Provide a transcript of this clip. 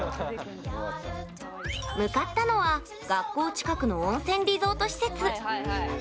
向かったのは学校近くの温泉リゾート施設。